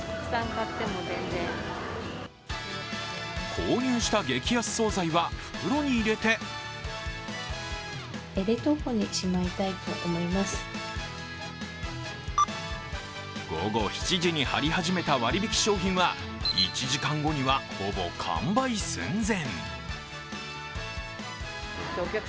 購入した激安総菜は袋に入れて午後７時に貼り始めた割引商品は１時間後にはほぼ完売寸前。